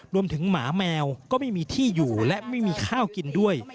หมาแมวก็ไม่มีที่อยู่และไม่มีข้าวกินด้วย